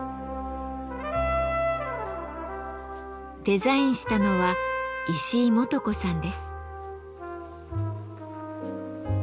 デザインしたのは石井幹子さんです。